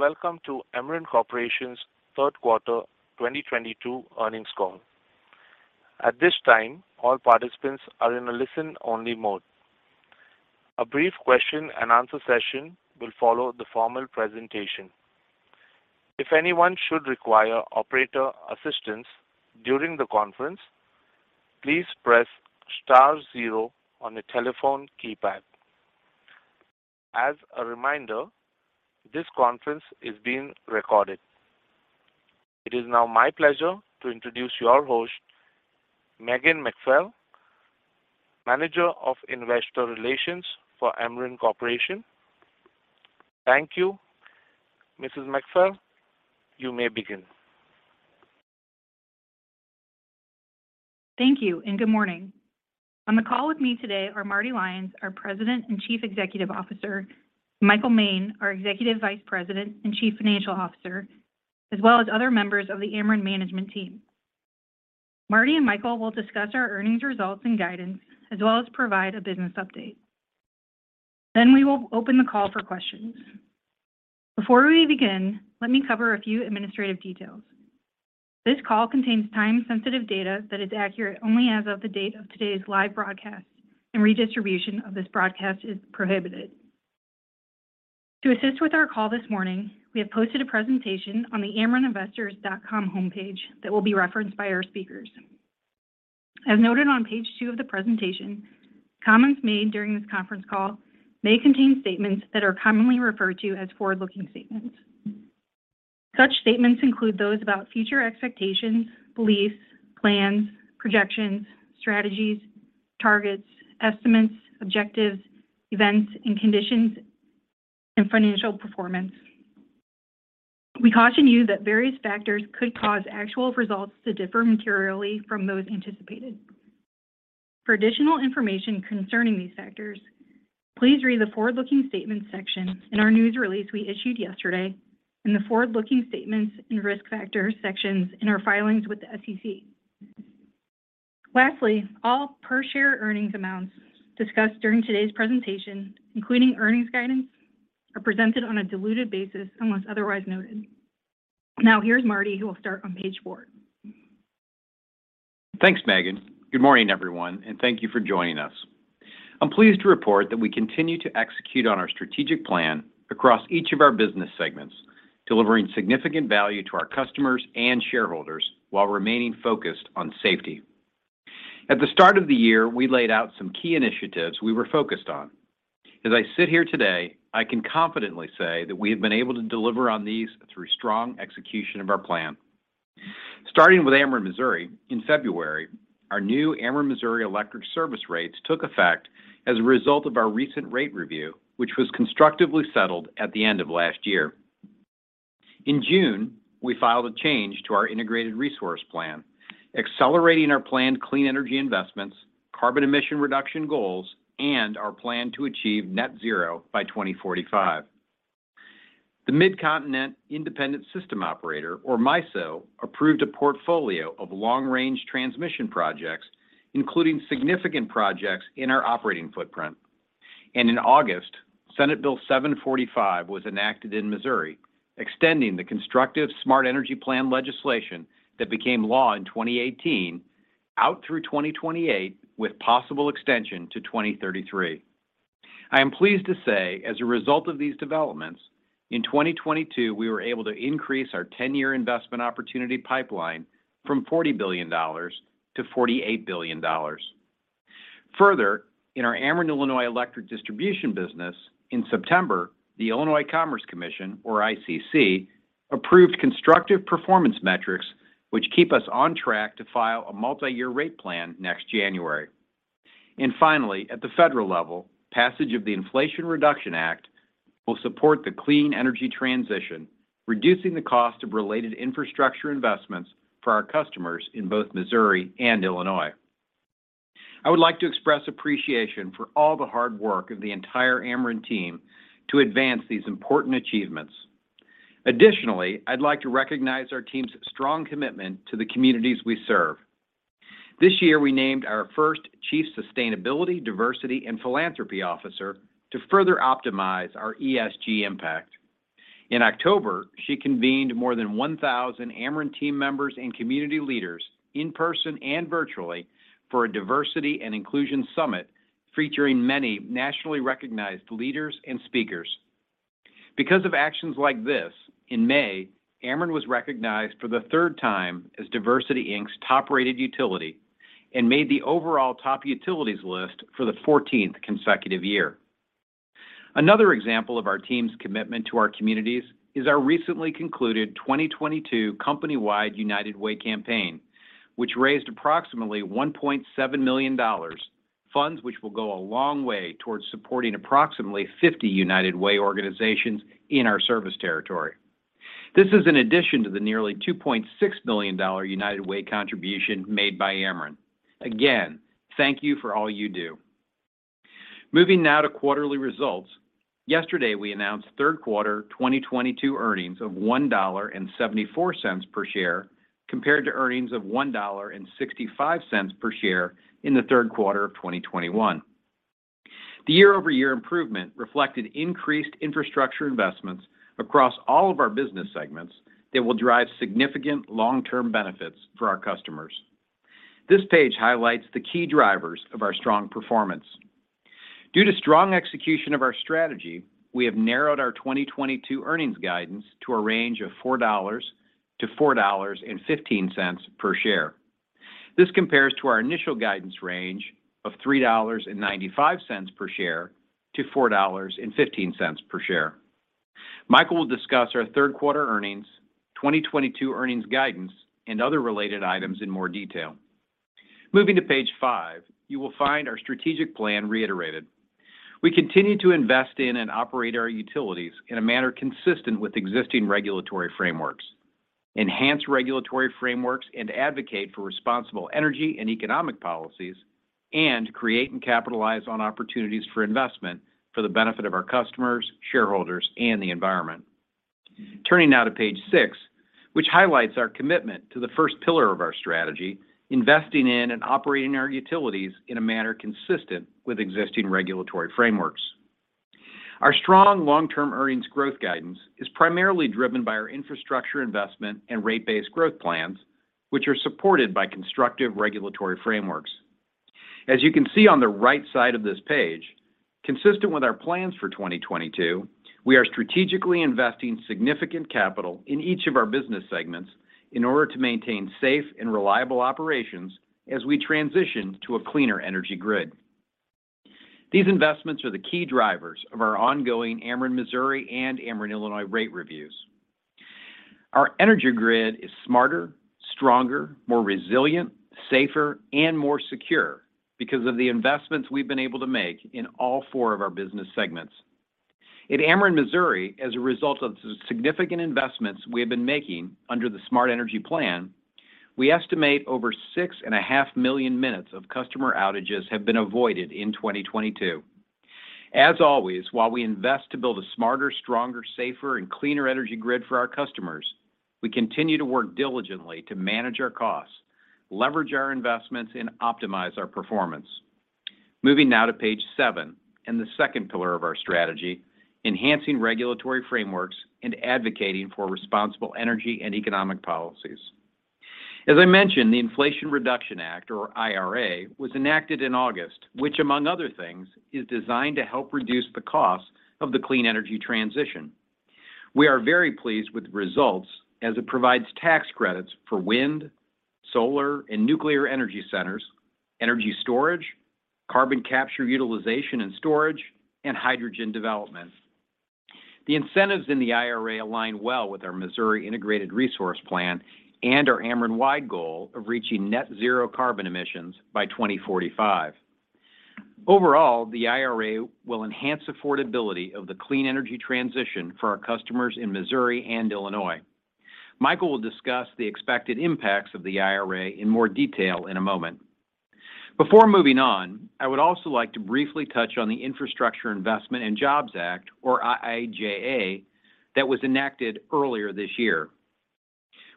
Greetings, and welcome to Ameren Corporation's third quarter 2022 earnings call. At this time, all participants are in a listen-only mode. A brief question-and-answer session will follow the formal presentation. If anyone should require operator assistance during the conference, please press star zero on the telephone keypad. As a reminder, this conference is being recorded. It is now my pleasure to introduce your host, Megan McPhail, Manager of Investor Relations for Ameren Corporation. Thank you. Mrs. McPhail, you may begin. Thank you, and good morning. On the call with me today are Marty Lyons, our President and Chief Executive Officer, Michael Moehn, our Executive Vice President and Chief Financial Officer, as well as other members of the Ameren management team. Marty and Michael will discuss our earnings results and guidance, as well as provide a business update. Then we will open the call for questions. Before we begin, let me cover a few administrative details. This call contains time-sensitive data that is accurate only as of the date of today's live broadcast, and redistribution of this broadcast is prohibited. To assist with our call this morning, we have posted a presentation on the amereninvestors.com homepage that will be referenced by our speakers. As noted on page two of the presentation, comments made during this conference call may contain statements that are commonly referred to as forward-looking statements. Such statements include those about future expectations, beliefs, plans, projections, strategies, targets, estimates, objectives, events and conditions, and financial performance. We caution you that various factors could cause actual results to differ materially from those anticipated. For additional information concerning these factors, please read the Forward-Looking Statements section in our news release we issued yesterday and the Forward-Looking Statements and Risk Factors sections in our filings with the SEC. Lastly, all per-share earnings amounts discussed during today's presentation, including earnings guidance, are presented on a diluted basis unless otherwise noted. Now here's Marty, who will start on page four. Thanks, Megan. Good morning, everyone, and thank you for joining us. I'm pleased to report that we continue to execute on our strategic plan across each of our business segments, delivering significant value to our customers and shareholders while remaining focused on safety. At the start of the year, we laid out some key initiatives we were focused on. As I sit here today, I can confidently say that we have been able to deliver on these through strong execution of our plan. Starting with Ameren Missouri, in February, our new Ameren Missouri electric service rates took effect as a result of our recent rate review, which was constructively settled at the end of last year. In June, we filed a change to our integrated resource plan, accelerating our planned clean energy investments, carbon emission reduction goals, and our plan to achieve net zero by 2045. The Midcontinent Independent System Operator, or MISO, approved a portfolio of long-range transmission projects, including significant projects in our operating footprint. In August, Senate Bill 745 was enacted in Missouri, extending the constructive Smart Energy Plan legislation that became law in 2018 out through 2028, with possible extension to 2033. I am pleased to say, as a result of these developments, in 2022 we were able to increase our 10-year investment opportunity pipeline from $40 billion to $48 billion. Further, in our Ameren Illinois electric distribution business, in September, the Illinois Commerce Commission, or ICC, approved constructive performance metrics which keep us on track to file a multi-year rate plan next January. Finally, at the federal level, passage of the Inflation Reduction Act will support the clean energy transition, reducing the cost of related infrastructure investments for our customers in both Missouri and Illinois. I would like to express appreciation for all the hard work of the entire Ameren team to advance these important achievements. Additionally, I'd like to recognize our team's strong commitment to the communities we serve. This year, we named our first Chief Sustainability, Diversity, and Philanthropy Officer to further optimize our ESG impact. In October, she convened more than 1,000 Ameren team members and community leaders in person and virtually for a diversity and inclusion summit featuring many nationally recognized leaders and speakers. Because of actions like this, in May, Ameren was recognized for the third time as DiversityInc's top-rated utility and made the overall top utilities list for the fourteenth consecutive year. Another example of our team's commitment to our communities is our recently concluded 2022 company-wide United Way campaign, which raised approximately $1.7 million, funds which will go a long way towards supporting approximately 50 United Way organizations in our service territory. This is in addition to the nearly $2.6 million United Way contribution made by Ameren. Again, thank you for all you do. Moving now to quarterly results. Yesterday, we announced third quarter 2022 earnings of $1.74 per share compared to earnings of $1.65 per share in the third quarter of 2021. The year-over-year improvement reflected increased infrastructure investments across all of our business segments that will drive significant long-term benefits for our customers. This page highlights the key drivers of our strong performance. Due to strong execution of our strategy, we have narrowed our 2022 earnings guidance to a range of $4-$4.15 per share. This compares to our initial guidance range of $3.95-$4.15 per share. Michael will discuss our third quarter earnings, 2022 earnings guidance, and other related items in more detail. Moving to page 5, you will find our strategic plan reiterated. We continue to invest in and operate our utilities in a manner consistent with existing regulatory frameworks, enhance regulatory frameworks, and advocate for responsible energy and economic policies, and create and capitalize on opportunities for investment for the benefit of our customers, shareholders, and the environment. Turning now to page six, which highlights our commitment to the first pillar of our strategy, investing in and operating our utilities in a manner consistent with existing regulatory frameworks. Our strong long-term earnings growth guidance is primarily driven by our infrastructure investment and rate-based growth plans, which are supported by constructive regulatory frameworks. As you can see on the right side of this page, consistent with our plans for 2022, we are strategically investing significant capital in each of our business segments in order to maintain safe and reliable operations as we transition to a cleaner energy grid. These investments are the key drivers of our ongoing Ameren Missouri and Ameren Illinois rate reviews. Our energy grid is smarter, stronger, more resilient, safer, and more secure because of the investments we've been able to make in all four of our business segments. At Ameren Missouri, as a result of the significant investments we have been making under the Smart Energy Plan, we estimate over 6.5 million minutes of customer outages have been avoided in 2022. As always, while we invest to build a smarter, stronger, safer, and cleaner energy grid for our customers, we continue to work diligently to manage our costs, leverage our investments, and optimize our performance. Moving now to page seven and the second pillar of our strategy, enhancing regulatory frameworks and advocating for responsible energy and economic policies. As I mentioned, the Inflation Reduction Act, or IRA, was enacted in August, which among other things, is designed to help reduce the cost of the clean energy transition. We are very pleased with the results as it provides tax credits for wind, solar, and nuclear energy centers, energy storage, carbon capture utilization and storage, and hydrogen development. The incentives in the IRA align well with our Missouri Integrated Resource Plan and our Ameren-wide goal of reaching net zero carbon emissions by 2045. Overall, the IRA will enhance affordability of the clean energy transition for our customers in Missouri and Illinois. Michael will discuss the expected impacts of the IRA in more detail in a moment. Before moving on, I would also like to briefly touch on the Infrastructure Investment and Jobs Act, or IIJA, that was enacted earlier this year.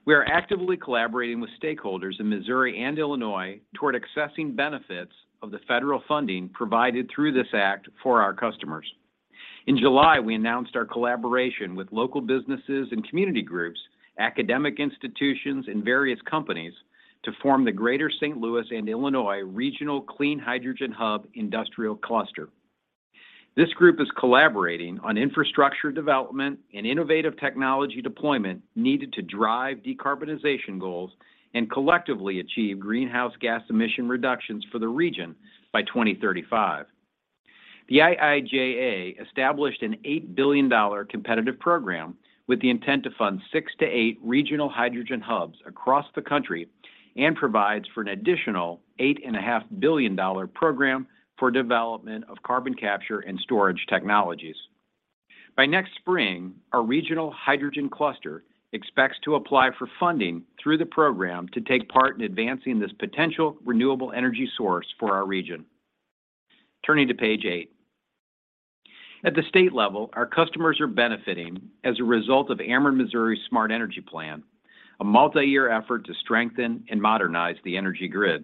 We are actively collaborating with stakeholders in Missouri and Illinois toward accessing benefits of the federal funding provided through this act for our customers. In July, we announced our collaboration with local businesses and community groups, academic institutions, and various companies to form the Greater St. Louis and Illinois Regional Clean Hydrogen Hub Industrial Cluster. This group is collaborating on infrastructure development and innovative technology deployment needed to drive decarbonization goals and collectively achieve greenhouse gas emission reductions for the region by 2035. The IIJA established an $8 billion competitive program with the intent to fund six-eight regional hydrogen hubs across the country and provides for an additional $8.5 billion program for development of carbon capture and storage technologies. By next spring, our regional hydrogen cluster expects to apply for funding through the program to take part in advancing this potential renewable energy source for our region. Turning to page eight. At the state level, our customers are benefiting as a result of Ameren Missouri's Smart Energy Plan, a multi-year effort to strengthen and modernize the energy grid.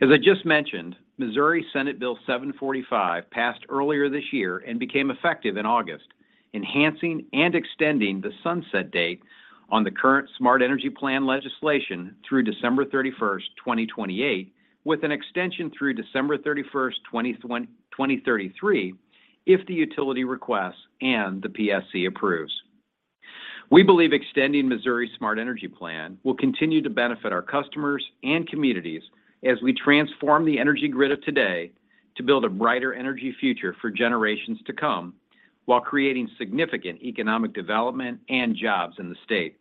As I just mentioned, Missouri Senate Bill 745 passed earlier this year and became effective in August, enhancing and extending the sunset date on the current Smart Energy Plan legislation through December 31, 2028, with an extension through December 31, 2033 if the utility requests and the PSC approves. We believe extending Missouri's Smart Energy Plan will continue to benefit our customers and communities as we transform the energy grid of today to build a brighter energy future for generations to come while creating significant economic development and jobs in the state.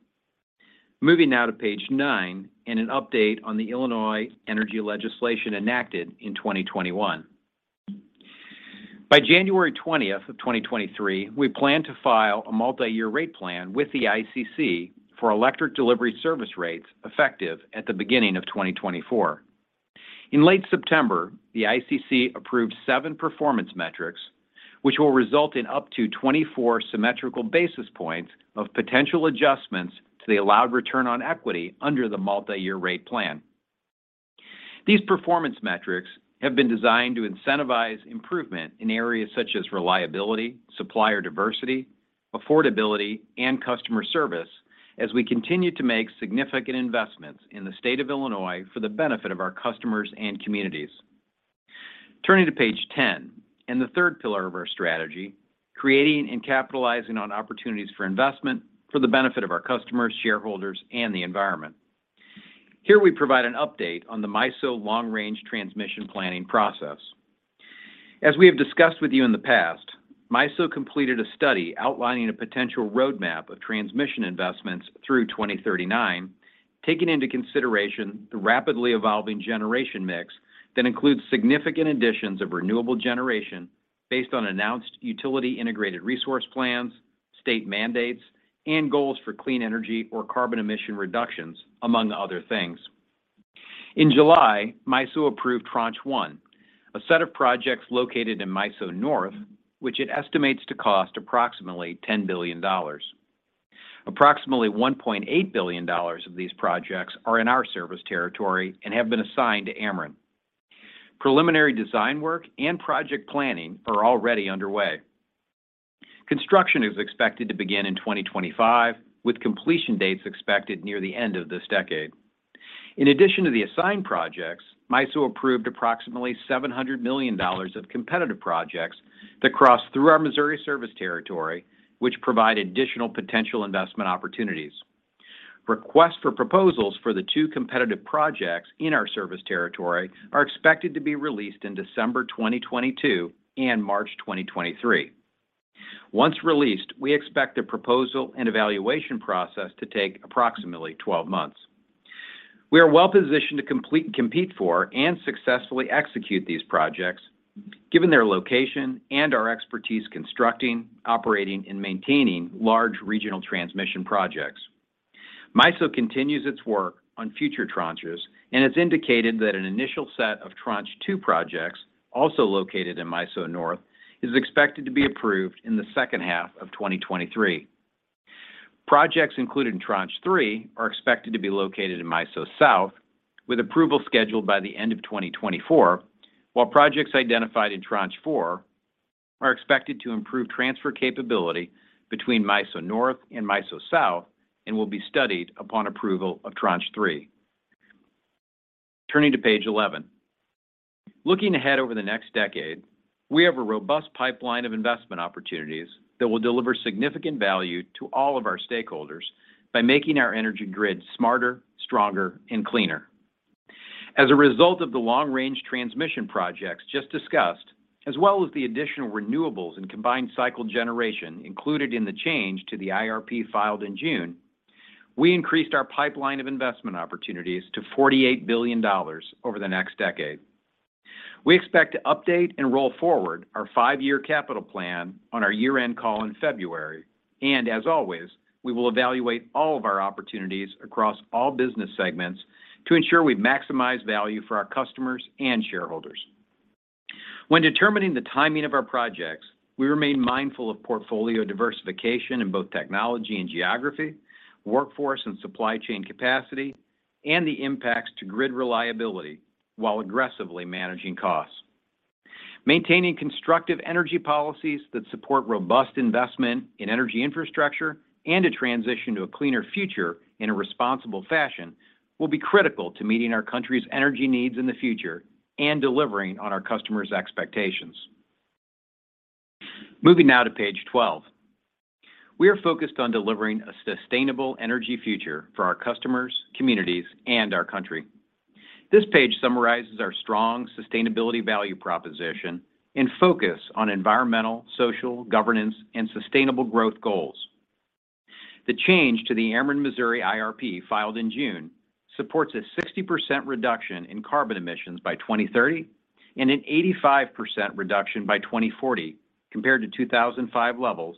Moving now to page nine and an update on the Illinois energy legislation enacted in 2021. By January 20, 2023, we plan to file a multi-year rate plan with the ICC for electric delivery service rates effective at the beginning of 2024. In late September, the ICC approved seven performance metrics, which will result in up to 24 symmetrical basis points of potential adjustments to the allowed return on equity under the multi-year rate plan. These performance metrics have been designed to incentivize improvement in areas such as reliability, supplier diversity, affordability, and customer service as we continue to make significant investments in the state of Illinois for the benefit of our customers and communities. Turning to page 10 and the third pillar of our strategy, creating and capitalizing on opportunities for investment for the benefit of our customers, shareholders, and the environment. Here we provide an update on the MISO long-range transmission planning process. As we have discussed with you in the past, MISO completed a study outlining a potential roadmap of transmission investments through 2039, taking into consideration the rapidly evolving generation mix that includes significant additions of renewable generation based on announced utility-integrated resource plans, state mandates, and goals for clean energy or carbon emission reductions, among other things. In July, MISO approved Tranche 1, a set of projects located in MISO North, which it estimates to cost approximately $10 billion. Approximately $1.8 billion of these projects are in our service territory and have been assigned to Ameren. Preliminary design work and project planning are already underway. Construction is expected to begin in 2025, with completion dates expected near the end of this decade. In addition to the assigned projects, MISO approved approximately $700 million of competitive projects that cross through our Missouri service territory, which provide additional potential investment opportunities. Requests for proposals for the two competitive projects in our service territory are expected to be released in December 2022 and March 2023. Once released, we expect the proposal and evaluation process to take approximately 12 months. We are well-positioned to complete and compete for and successfully execute these projects given their location and our expertise constructing, operating, and maintaining large regional transmission projects. MISO continues its work on future tranches and has indicated that an initial set of Tranche 2 projects, also located in MISO North, is expected to be approved in the second half of 2023. Projects included in Tranche 3 are expected to be located in MISO South, with approval scheduled by the end of 2024, while projects identified in Tranche 4 are expected to improve transfer capability between MISO North and MISO South and will be studied upon approval of Tranche 3. Turning to page 11. Looking ahead over the next decade, we have a robust pipeline of investment opportunities that will deliver significant value to all of our stakeholders by making our energy grid smarter, stronger, and cleaner. As a result of the long-range transmission projects just discussed, as well as the additional renewables and combined cycle generation included in the change to the IRP filed in June, we increased our pipeline of investment opportunities to $48 billion over the next decade. We expect to update and roll forward our five-year capital plan on our year-end call in February. As always, we will evaluate all of our opportunities across all business segments to ensure we maximize value for our customers and shareholders. When determining the timing of our projects, we remain mindful of portfolio diversification in both technology and geography, workforce and supply chain capacity, and the impacts to grid reliability while aggressively managing costs. Maintaining constructive energy policies that support robust investment in energy infrastructure and a transition to a cleaner future in a responsible fashion will be critical to meeting our country's energy needs in the future and delivering on our customers' expectations. Moving now to page 12. We are focused on delivering a sustainable energy future for our customers, communities, and our country. This page summarizes our strong sustainability value proposition and focus on environmental, social, governance, and sustainable growth goals. The change to the Ameren Missouri IRP filed in June supports a 60% reduction in carbon emissions by 2030 and an 85% reduction by 2040 compared to 2005 levels.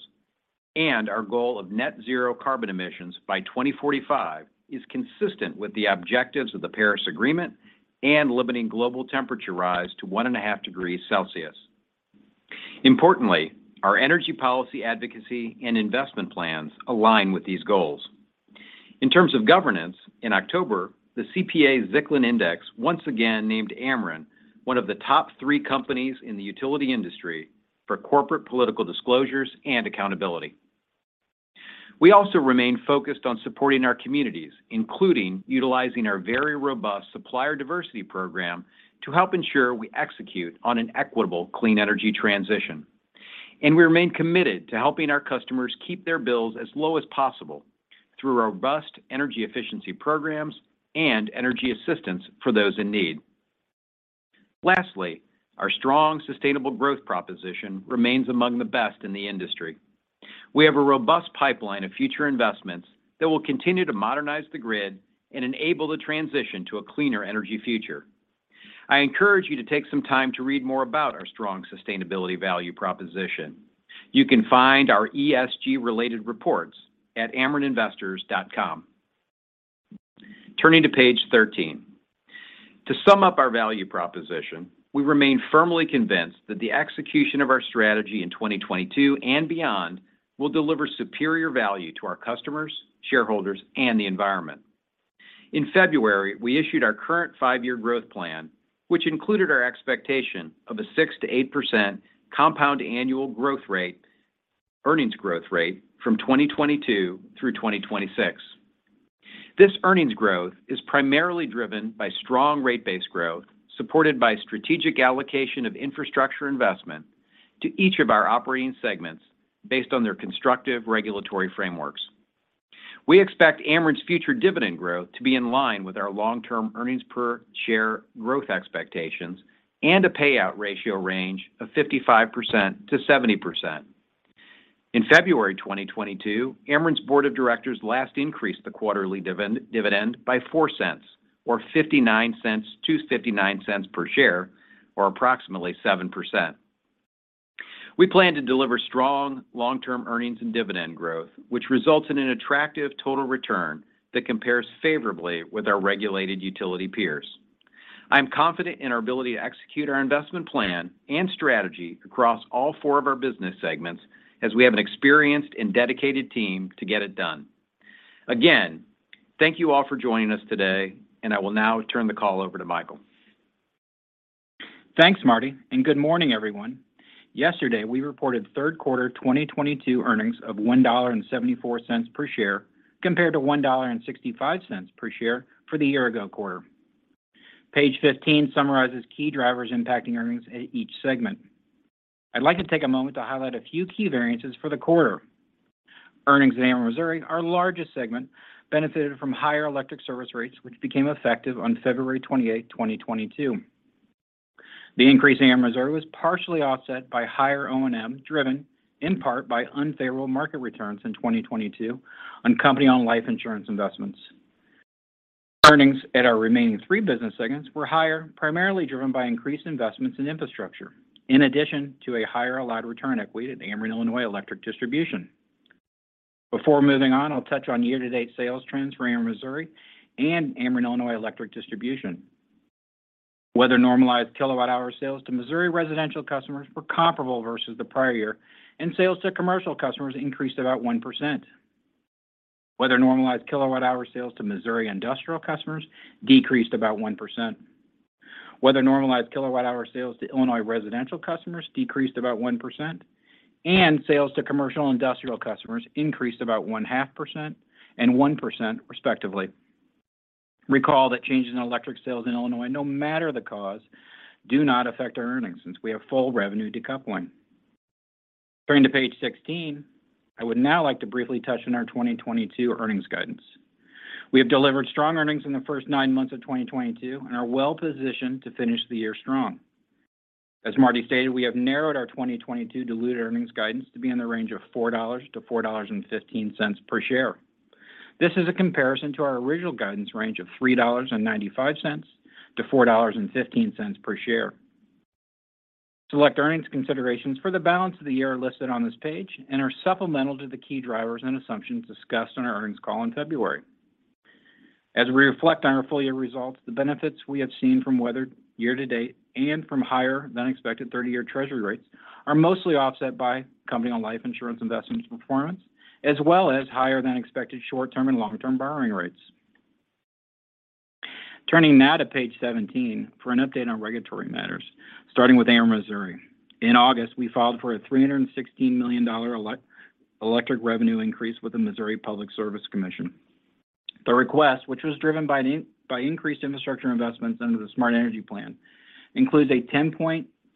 Our goal of net zero carbon emissions by 2045 is consistent with the objectives of the Paris Agreement and limiting global temperature rise to 1.5 degrees Celsius. Importantly, our energy policy advocacy and investment plans align with these goals. In terms of governance, in October, the CPA-Zicklin Index once again named Ameren one of the top three companies in the utility industry for corporate political disclosures and accountability. We also remain focused on supporting our communities, including utilizing our very robust supplier diversity program to help ensure we execute on an equitable clean energy transition. We remain committed to helping our customers keep their bills as low as possible through robust energy efficiency programs and energy assistance for those in need. Lastly, our strong sustainable growth proposition remains among the best in the industry. We have a robust pipeline of future investments that will continue to modernize the grid and enable the transition to a cleaner energy future. I encourage you to take some time to read more about our strong sustainability value proposition. You can find our ESG-related reports at amereninvestors.com. Turning to page 13. To sum up our value proposition, we remain firmly convinced that the execution of our strategy in 2022 and beyond will deliver superior value to our customers, shareholders, and the environment. In February, we issued our current five-year growth plan, which included our expectation of a 6%-8% compound annual growth rate, earnings growth rate from 2022 through 2026. This earnings growth is primarily driven by strong rate base growth, supported by strategic allocation of infrastructure investment to each of our operating segments based on their constructive regulatory frameworks. We expect Ameren's future dividend growth to be in line with our long-term earnings per share growth expectations and a payout ratio range of 55%-70%. In February 2022, Ameren's board of directors last increased the quarterly dividend by $0.04 or $0.59 to $0.59 per share or approximately 7%. We plan to deliver strong long-term earnings and dividend growth, which results in an attractive total return that compares favorably with our regulated utility peers. I am confident in our ability to execute our investment plan and strategy across all four of our business segments as we have an experienced and dedicated team to get it done. Again, thank you all for joining us today, and I will now turn the call over to Michael. Thanks, Marty, and good morning, everyone. Yesterday, we reported Q3 2022 earnings of $1.74 per share, compared to $1.65 per share for the year ago quarter. Page 15 summarizes key drivers impacting earnings at each segment. I'd like to take a moment to highlight a few key variances for the quarter. Earnings at Ameren Missouri, our largest segment, benefited from higher electric service rates, which became effective on February 28, 2022. The increase in Ameren Missouri was partially offset by higher O&M, driven in part by unfavorable market returns in 2022 on company-owned life insurance investments. Earnings at our remaining three business segments were higher, primarily driven by increased investments in infrastructure, in addition to a higher allowed return equity at Ameren Illinois Electric Distribution. Before moving on, I'll touch on year-to-date sales trends for Ameren Missouri and Ameren Illinois Electric Distribution. Weather-normalized kilowatt hour sales to Missouri residential customers were comparable versus the prior year, and sales to commercial customers increased about 1%. Weather-normalized kilowatt hour sales to Missouri industrial customers decreased about 1%. Weather-normalized kilowatt hour sales to Illinois residential customers decreased about 1%, and sales to commercial and industrial customers increased about 0.5% and 1% respectively. Recall that changes in electric sales in Illinois, no matter the cause, do not affect our earnings since we have full revenue decoupling. Turning to page 16, I would now like to briefly touch on our 2022 earnings guidance. We have delivered strong earnings in the first nine months of 2022 and are well positioned to finish the year strong. As Marty stated, we have narrowed our 2022 diluted earnings guidance to be in the range of $4-$4.15 per share. This is a comparison to our original guidance range of $3.95-$4.15 per share. Select earnings considerations for the balance of the year are listed on this page and are supplemental to the key drivers and assumptions discussed on our earnings call in February. As we reflect on our full year results, the benefits we have seen from weather year-to-date and from higher than expected 30-year treasury rates are mostly offset by company-owned life insurance investments performance, as well as higherthan-expected short-term and long-term borrowing rates. Turning now to page 17 for an update on regulatory matters, starting with Ameren Missouri. In August, we filed for a $316 million electric revenue increase with the Missouri Public Service Commission. The request, which was driven by increased infrastructure investments under the Smart Energy Plan, includes a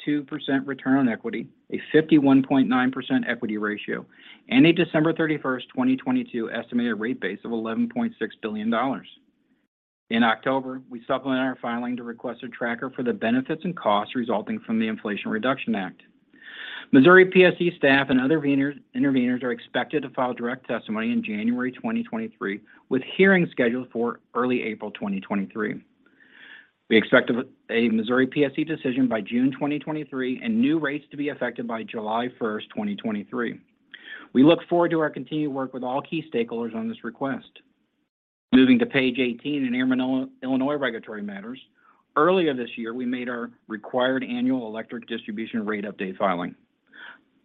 10.2% return on equity, a 51.9% equity ratio, and a December 31, 2022 estimated rate base of $11.6 billion. In October, we supplemented our filing to request a tracker for the benefits and costs resulting from the Inflation Reduction Act. Missouri PSC staff and other intervenors are expected to file direct testimony in January 2023, with hearings scheduled for early April 2023. We expect a Missouri PSC decision by June 2023 and new rates to be effective by July 1, 2023. We look forward to our continued work with all key stakeholders on this request. Moving to page 18 in Ameren Illinois regulatory matters. Earlier this year, we made our required annual electric distribution rate update filing.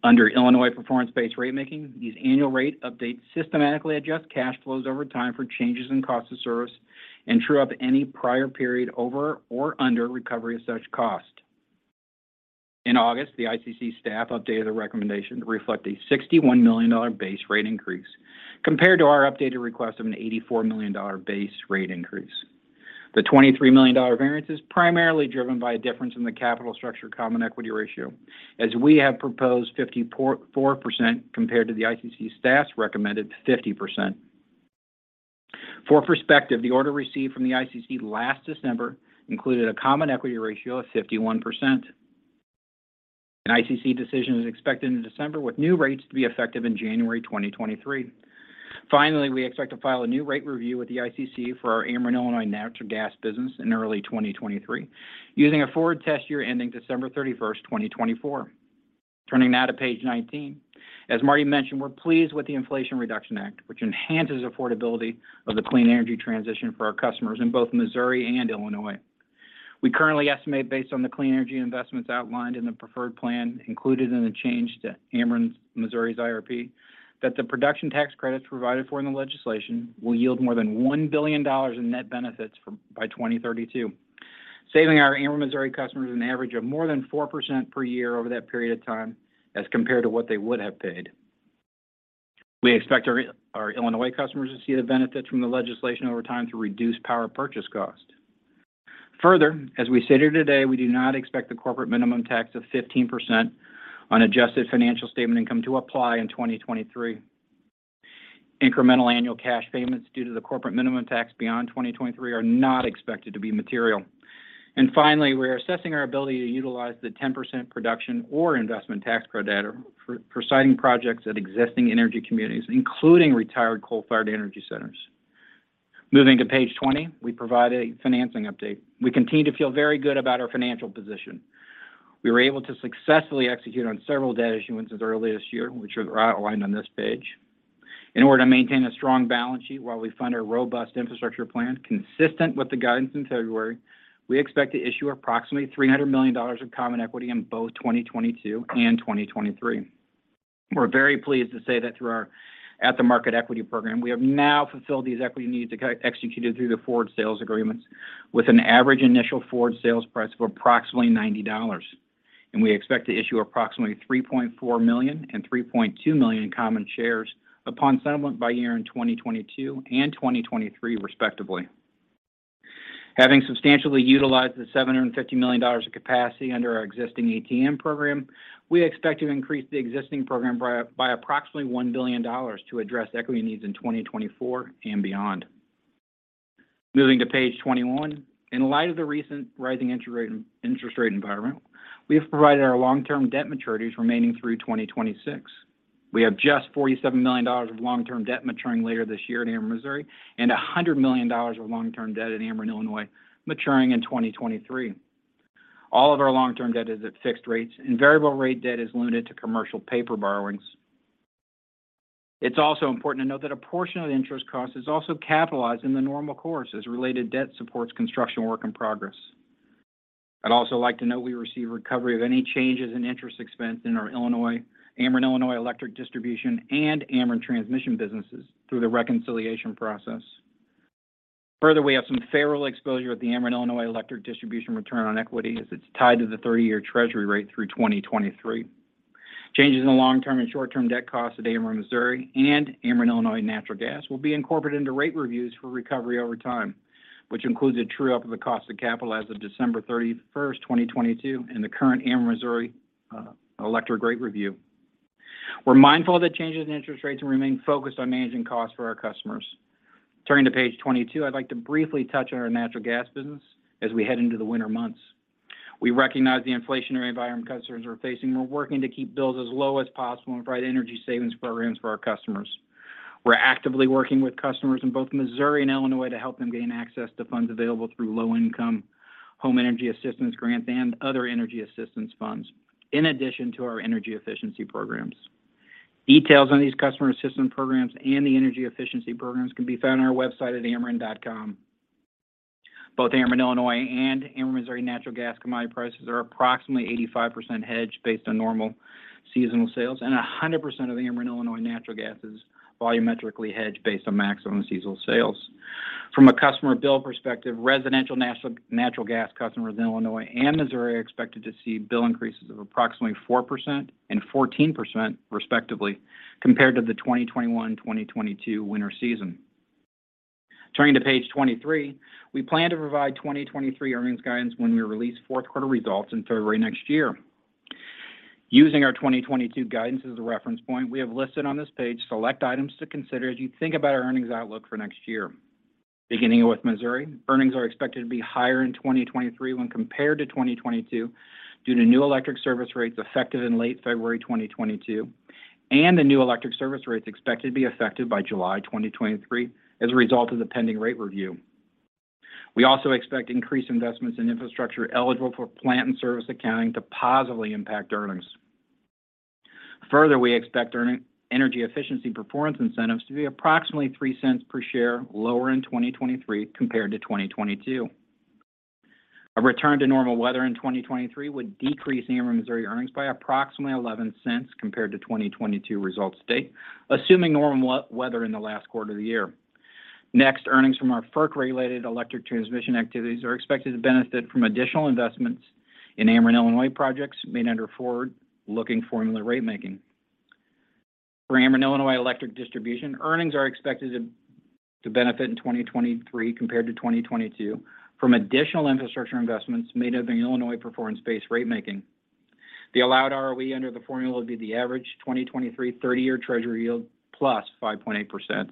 Under Illinois Performance-Based Ratemaking, these annual rate updates systematically adjust cash flows over time for changes in cost of service and true up any prior period over or under recovery of such cost. In August, the ICC staff updated a recommendation to reflect a $61 million base rate increase compared to our updated request of an $84 million base rate increase. The $23 million variance is primarily driven by a difference in the capital structure common equity ratio, as we have proposed 54% compared to the ICC staff's recommended 50%. For perspective, the order received from the ICC last December included a common equity ratio of 51%. An ICC decision is expected in December, with new rates to be effective in January 2023. Finally, we expect to file a new rate review with the ICC for our Ameren Illinois Natural Gas business in early 2023, using a forward test year ending December 31, 2024. Turning now to page 19. As Marty mentioned, we're pleased with the Inflation Reduction Act, which enhances affordability of the clean energy transition for our customers in both Missouri and Illinois. We currently estimate based on the clean energy investments outlined in the preferred plan included in the change to Ameren Missouri's IRP, that the production tax credits provided for in the legislation will yield more than $1 billion in net benefits by 2032, saving our Ameren Missouri customers an average of more than 4% per year over that period of time as compared to what they would have paid. We expect our Illinois customers to see the benefits from the legislation over time to reduce power purchase cost. Further, as we sit here today, we do not expect the corporate minimum tax of 15% on adjusted financial statement income to apply in 2023. Incremental annual cash payments due to the corporate minimum tax beyond 2023 are not expected to be material. Finally, we're assessing our ability to utilize the 10% production or investment tax credit for siting projects at existing energy communities, including retired coal-fired energy centers. Moving to page 20, we provide a financing update. We continue to feel very good about our financial position. We were able to successfully execute on several debt issuances early this year, which are outlined on this page. In order to maintain a strong balance sheet while we fund our robust infrastructure plan consistent with the guidance in February, we expect to issue approximately $300 million of common equity in both 2022 and 2023. We're very pleased to say that through our at-the-market equity program, we have now fulfilled these equity needs executed through the forward sales agreements with an average initial forward sales price of approximately $90. We expect to issue approximately 3.4 million and 3.2 million in common shares upon settlement by year-end 2022 and 2023, respectively. Having substantially utilized the $750 million of capacity under our existing ATM program, we expect to increase the existing program by approximately $1 billion to address equity needs in 2024 and beyond. Moving to page 21. In light of the recent rising interest rate environment, we have provided our long-term debt maturities remaining through 2026. We have just $47 million of long-term debt maturing later this year at Ameren Missouri, and $100 million of long-term debt at Ameren Illinois maturing in 2023. All of our long-term debt is at fixed rates, and variable rate debt is limited to commercial paper borrowings. It's also important to note that a portion of the interest cost is also capitalized in the normal course as related debt supports construction work in progress. I'd also like to note we receive recovery of any changes in interest expense in our Illinois, Ameren Illinois Electric Distribution and Ameren Transmission businesses through the reconciliation process. Further, we have some federal exposure with the Ameren Illinois Electric Distribution return on equity as it's tied to the 30-year Treasury rate through 2023. Changes in the long-term and short-term debt costs at Ameren Missouri and Ameren Illinois Natural Gas will be incorporated into rate reviews for recovery over time, which includes a true-up of the cost of capital as of December 31, 2022, in the current Ameren Missouri electric rate review. We're mindful of the changes in interest rates and remain focused on managing costs for our customers. Turning to page 22, I'd like to briefly touch on our natural gas business as we head into the winter months. We recognize the inflationary environment customers are facing. We're working to keep bills as low as possible and provide energy savings programs for our customers. We're actively working with customers in both Missouri and Illinois to help them gain access to funds available through low-income home energy assistance grants and other energy assistance funds, in addition to our energy efficiency programs. Details on these customer assistance programs and the energy efficiency programs can be found on our website at ameren.com. Both Ameren Illinois and Ameren Missouri Natural Gas commodity prices are approximately 85% hedged based on normal seasonal sales, and 100% of Ameren Illinois Natural Gas is volumetrically hedged based on maximum seasonal sales. From a customer bill perspective, residential natural gas customers in Illinois and Missouri are expected to see bill increases of approximately 4% and 14% respectively compared to the 2021-2022 winter season. Turning to page 23, we plan to provide 2023 earnings guidance when we release fourth quarter results in February next year. Using our 2022 guidance as a reference point, we have listed on this page select items to consider as you think about our earnings outlook for next year. Beginning with Missouri, earnings are expected to be higher in 2023 when compared to 2022 due to new electric service rates effective in late February 2022 and the new electric service rates expected to be effective by July 2023 as a result of the pending rate review. We also expect increased investments in infrastructure eligible for plant and service accounting to positively impact earnings. Further, we expect energy efficiency performance incentives to be approximately $0.03 per share lower in 2023 compared to 2022. A return to normal weather in 2023 would decrease Ameren Missouri earnings by approximately $0.11 compared to 2022 results to date, assuming normal weather in the last quarter of the year. Next, earnings from our FERC-regulated electric transmission activities are expected to benefit from additional investments in Ameren Illinois projects made under forward-looking formula ratemaking. For Ameren Illinois Electric Distribution, earnings are expected to benefit in 2023 compared to 2022 from additional infrastructure investments made under Illinois Performance-Based Ratemaking. The allowed ROE under the formula would be the average 2023 30-year Treasury yield plus 5.8%.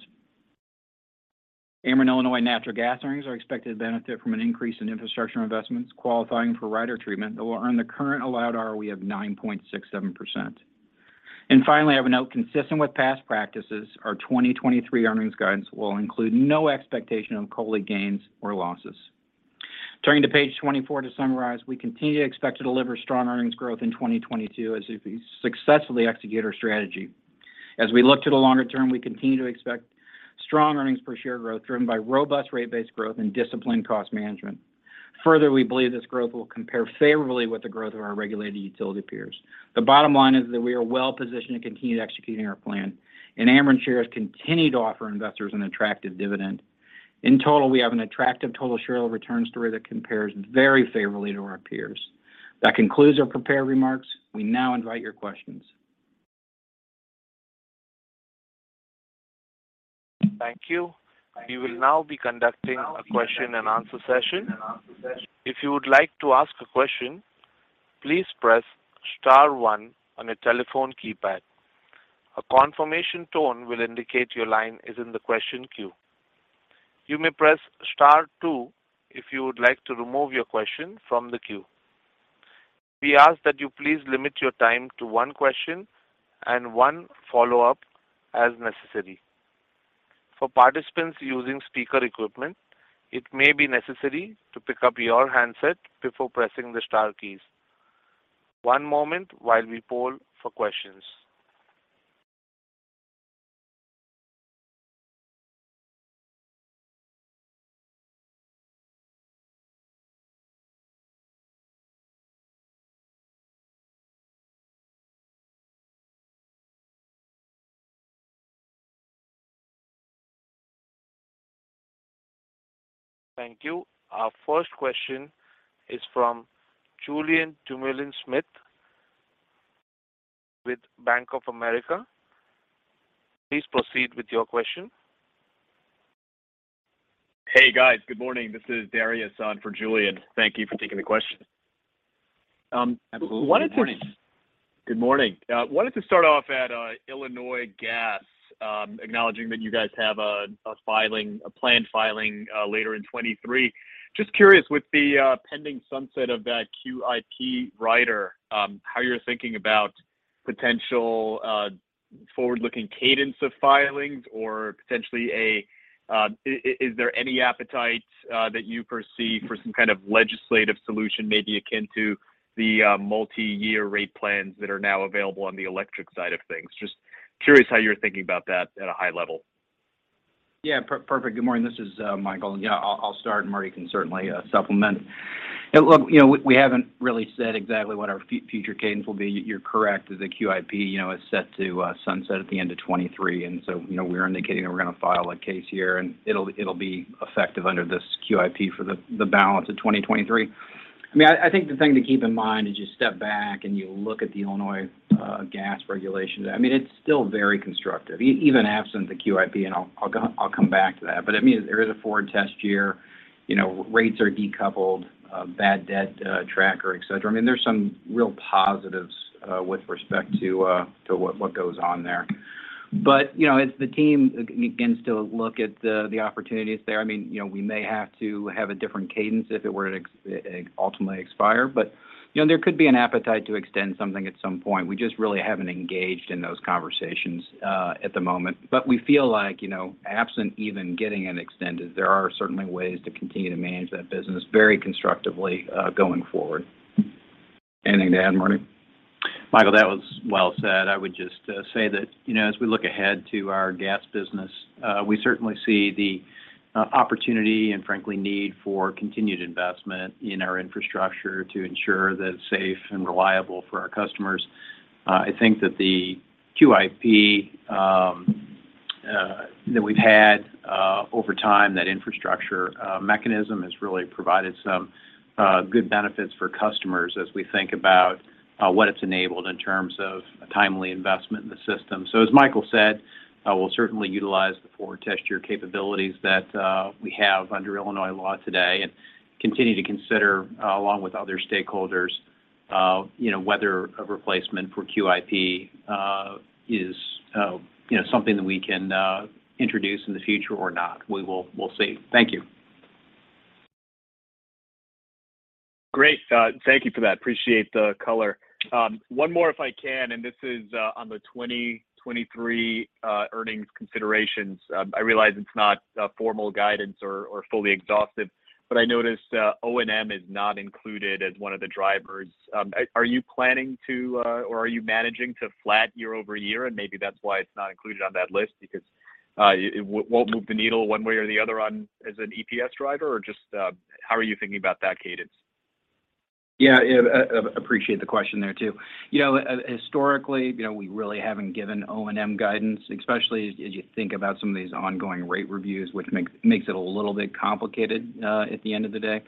Ameren Illinois Natural Gas earnings are expected to benefit from an increase in infrastructure investments qualifying for rider treatment that will earn the current allowed ROE of 9.67%. Finally, I would note, consistent with past practices, our 2023 earnings guidance will include no expectation of COLI gains or losses. Turning to page 24 to summarize, we continue to expect to deliver strong earnings growth in 2022 as we successfully execute our strategy. As we look to the longer term, we continue to expect strong earnings per share growth driven by robust rate-based growth and disciplined cost management. Further, we believe this growth will compare favorably with the growth of our regulated utility peers. The bottom line is that we are well positioned to continue executing our plan, and Ameren shares continue to offer investors an attractive dividend. In total, we have an attractive total shareholder return story that compares very favorably to our peers. That concludes our prepared remarks. We now invite your questions. Thank you. We will now be conducting a question-and-answer session. If you would like to ask a question, please press star one on your telephone keypad. A confirmation tone will indicate your line is in the question queue. You may press star two if you would like to remove your question from the queue. We ask that you please limit your time to one question and one follow-up as necessary. For participants using speaker equipment, it may be necessary to pick up your handset before pressing the star keys. One moment while we poll for questions. Thank you. Our first question is from Julien Dumoulin-Smith with Bank of America. Please proceed with your question. Hey, guys. Good morning. This is Dariusz on for Julien. Thank you for taking the question. Good morning. Good morning. Wanted to start off at Illinois gas, acknowledging that you guys have a planned filing later in 2023. Just curious with the pending sunset of that QIP rider, how you're thinking about potential forward-looking cadence of filings or potentially, is there any appetite that you perceive for some kind of legislative solution maybe akin to the multiyear rate plans that are now available on the electric side of things? Just curious how you're thinking about that at a high level. Yeah. Perfect. Good morning. This is Michael. Yeah, I'll start, and Marty can certainly supplement. Yeah, look, you know, we haven't really said exactly what our future cadence will be. You're correct that the QIP, you know, is set to sunset at the end of 2023. You know, we're indicating that we're gonna file a case here, and it'll be effective under this QIP for the balance of 2023. I mean, I think the thing to keep in mind as you step back and you look at the Illinois gas regulations. I mean, it's still very constructive even absent the QIP, and I'll come back to that. I mean, there is a forward test year. You know, rates are decoupled, bad debt tracker, et cetera. I mean, there's some real positives with respect to what goes on there. You know, as the team begins to look at the opportunities there, I mean, you know, we may have to have a different cadence if it were to ultimately expire. You know, there could be an appetite to extend something at some point. We just really haven't engaged in those conversations at the moment. We feel like, you know, absent even getting it extended, there are certainly ways to continue to manage that business very constructively going forward. Anything to add, Marty? Michael, that was well said. I would just say that, you know, as we look ahead to our gas business, we certainly see the opportunity and frankly need for continued investment in our infrastructure to ensure that it's safe and reliable for our customers. I think that the QIP that we've had over time, that infrastructure mechanism has really provided some good benefits for customers as we think about what it's enabled in terms of a timely investment in the system. As Michael said, we'll certainly utilize the forward test year capabilities that we have under Illinois law today and continue to consider, along with other stakeholders, you know, whether a replacement for QIP is, you know, something that we can introduce in the future or not. We'll see. Thank you. Great. Thank you for that. Appreciate the color. One more if I can. This is on the 2023 earnings considerations. I realize it's not formal guidance or fully exhaustive, but I noticed O&M is not included as one of the drivers. Are you planning to or are you managing to flat year-over-year, and maybe that's why it's not included on that list because it won't move the needle one way or the other on as an EPS driver or just how are you thinking about that cadence? Yeah. Yeah. Appreciate the question there too. You know, historically, you know, we really haven't given O&M guidance, especially as you think about some of these ongoing rate reviews, which makes it a little bit complicated at the end of the day.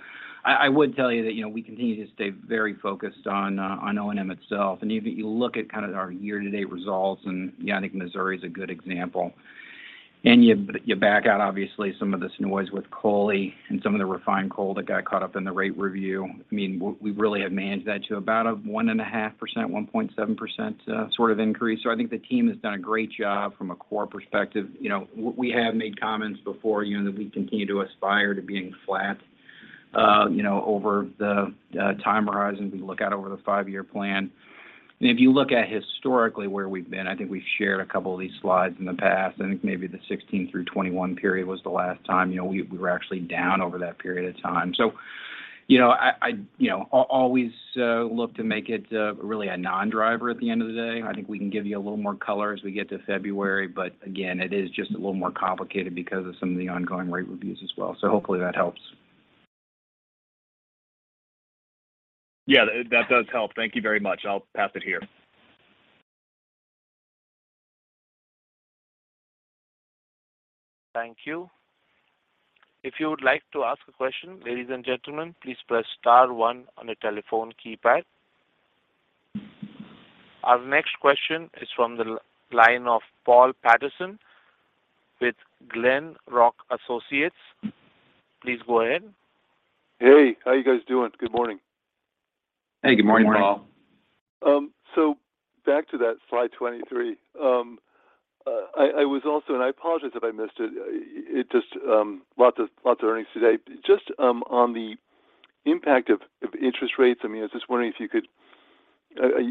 I would tell you that, you know, we continue to stay very focused on O&M itself. If you look at kind of our year-to-date results, and yeah, I think Missouri is a good example. You back out obviously some of this noise with COLI and some of the refined coal that got caught up in the rate review. I mean, we really have managed that to about a 1.5%, 1.7% sort of increase. I think the team has done a great job from a core perspective. You know, we have made comments before, you know, that we continue to aspire to being flat, you know, over the time horizons we look out over the five-year plan. If you look at historically where we've been, I think we've shared a couple of these slides in the past. I think maybe the 2016 through 2021 period was the last time. You know, we were actually down over that period of time. You know, I always look to make it really a non-driver at the end of the day. I think we can give you a little more color as we get to February. Again, it is just a little more complicated because of some of the ongoing rate reviews as well. Hopefully that helps. Yeah, that does help. Thank you very much. I'll pass it here. Thank you. If you would like to ask a question, ladies and gentlemen, please press star one on your telephone keypad. Our next question is from the line of Paul Patterson with Glenrock Associates. Please go ahead. Hey, how you guys doing? Good morning. Hey, good morning, Paul. Morning. Back to that slide 23. I was also... I apologize if I missed it. It just, lots of earnings today. Just, on the impact of interest rates, I mean, I was just wondering if you could.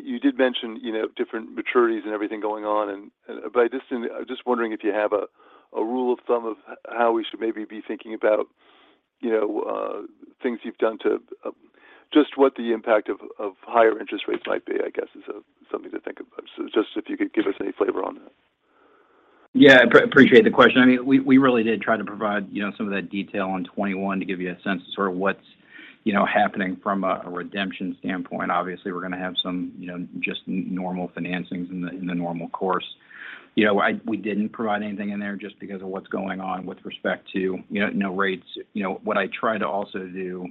You did mention, you know, different maturities and everything going on and, but I'm just wondering if you have a rule of thumb of how we should maybe be thinking about, you know, things you've done to just what the impact of higher interest rates might be, I guess, is something to think about. Just if you could give us any flavor on that. Yeah, appreciate the question. I mean, we really did try to provide, you know, some of that detail on 21 to give you a sense of sort of what's, you know, happening from a redemption standpoint. Obviously, we're gonna have some, you know, just normal financings in the normal course. You know, we didn't provide anything in there just because of what's going on with respect to, you know, rates. You know, what I try to also do,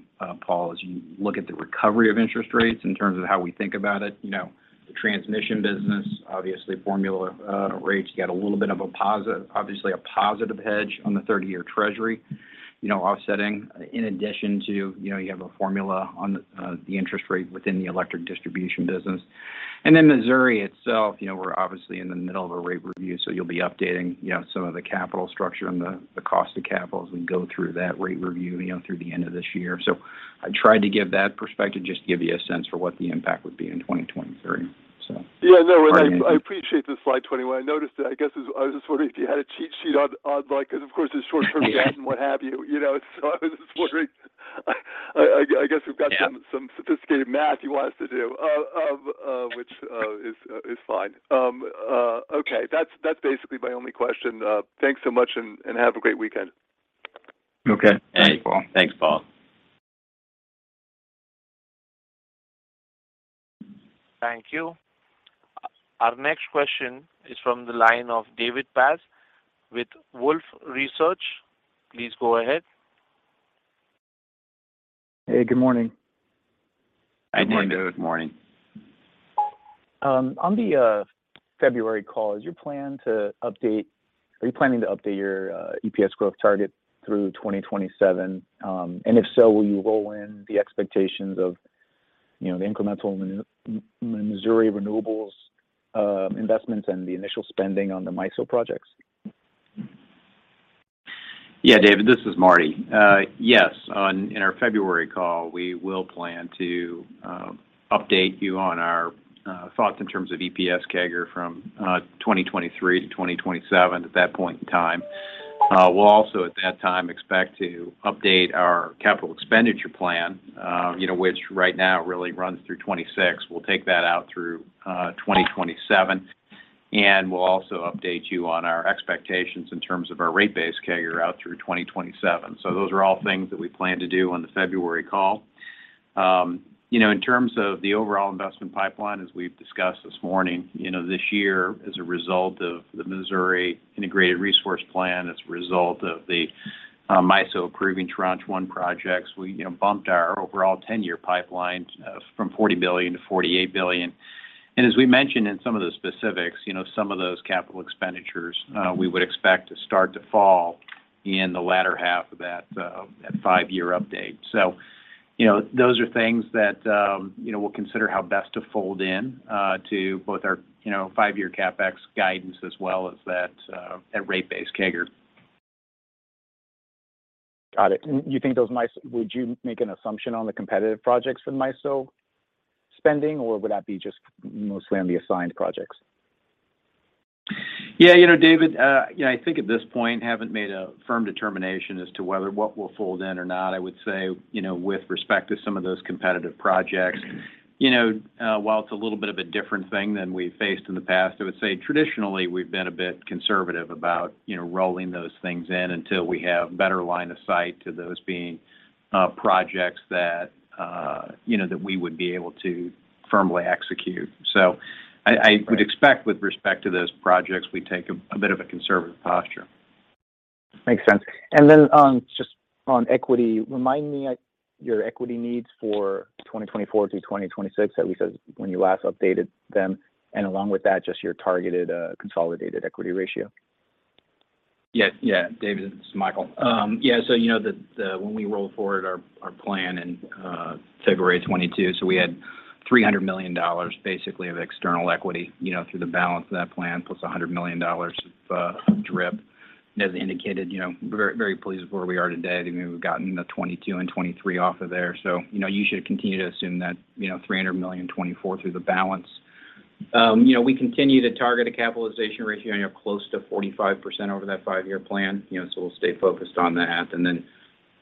Paul, is you look at the recovery of interest rates in terms of how we think about it. You know, the transmission business, obviously formula rates get a little bit of a positive hedge on the 30-year Treasury, you know, offsetting in addition to, you know, you have a formula on the interest rate within the electric distribution business. Missouri itself, you know, we're obviously in the middle of a rate review, so you'll be updating, you know, some of the capital structure and the cost of capital as we go through that rate review, you know, through the end of this year. I tried to give that perspective just to give you a sense for what the impact would be in 2023. Yeah, no. I appreciate the slide 21. I noticed it. I guess I was just wondering if you had a cheat sheet on, like, because of course the short-term gap and what have you. You know, so I was just wondering. I guess we've got some sophisticated math you want us to do, which is fine. Okay, that's basically my only question. Thanks so much and have a great weekend. Okay. Thanks, Paul. Thank you. Our next question is from the line of David Paz with Wolfe Research. Please go ahead. Hey, good morning. Hi, David. Good morning. On the February call, are you planning to update your EPS growth target through 2027? And if so, will you roll in the expectations of, you know, the incremental Missouri renewables investments and the initial spending on the MISO projects? Yeah, David, this is Marty. Yes, in our February call, we will plan to update you on our thoughts in terms of EPS CAGR from 2023 to 2027 at that point in time. We'll also at that time expect to update our capital expenditure plan, you know, which right now really runs through 2026. We'll take that out through 2027, and we'll also update you on our expectations in terms of our rate base CAGR out through 2027. Those are all things that we plan to do on the February call. You know, in terms of the overall investment pipeline, as we've discussed this morning, you know, this year, as a result of the Missouri Integrated Resource Plan, as a result of the MISO approving Tranche 1 projects, we, you know, bumped our overall 10-year pipeline from $40 billion to $48 billion. As we mentioned in some of the specifics, you know, some of those capital expenditures we would expect to start to fall in the latter half of that five-year update. You know, those are things that, you know, we'll consider how best to fold in to both our five-year CapEx guidance as well as that rate base CAGR. Got it. Would you make an assumption on the competitive projects in MISO spending, or would that be just mostly on the assigned projects? Yeah, you know, David, you know, I think at this point, haven't made a firm determination as to whether what we'll fold in or not. I would say, you know, with respect to some of those competitive projects, you know, while it's a little bit of a different thing than we've faced in the past, I would say traditionally we've been a bit conservative about, you know, rolling those things in until we have better line of sight to those being, projects that, you know, that we would be able to firmly execute. I would expect with respect to those projects, we take a bit of a conservative posture. Makes sense. Just on equity, remind me, your equity needs for 2024 through 2026, at least as of when you last updated them, and along with that, just your targeted, consolidated equity ratio? Yeah. David, this is Michael. You know, when we rolled forward our plan in February 2022, we had $300 million basically of external equity, you know, through the balance of that plan, plus $100 million of DRIP. As indicated, you know, very, very pleased with where we are today. I think we've gotten the 2022 and 2023 off of there. You know, you should continue to assume that, you know, $300 million in 2024 through the balance. You know, we continue to target a capitalization ratio, you know, close to 45% over that five-year plan, you know. We'll stay focused on that. Then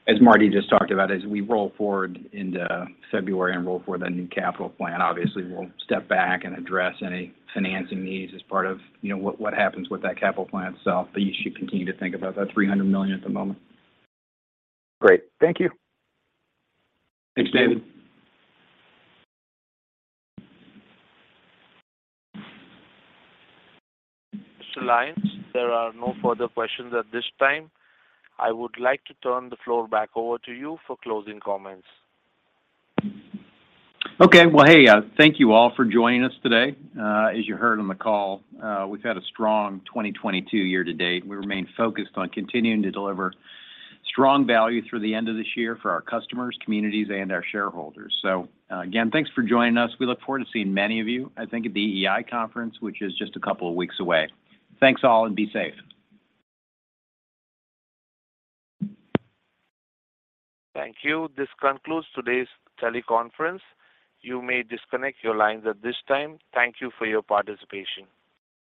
as Marty just talked about, as we roll forward into February and roll forward that new capital plan, obviously we'll step back and address any financing needs as part of, you know, what happens with that capital plan itself. You should continue to think about that $300 million at the moment. Great. Thank you. Thanks, David. Mr. Lyons, there are no further questions at this time. I would like to turn the floor back over to you for closing comments. Okay. Well, hey, thank you all for joining us today. As you heard on the call, we've had a strong 2022 year to date. We remain focused on continuing to deliver strong value through the end of this year for our customers, communities, and our shareholders. Again, thanks for joining us. We look forward to seeing many of you, I think, at the EEI conference, which is just a couple of weeks away. Thanks, all, and be safe. Thank you. This concludes today's teleconference. You may disconnect your lines at this time. Thank you for your participation.